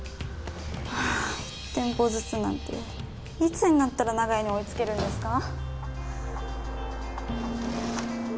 はあ１店舗ずつなんていつになったら長屋に追いつけるんですか？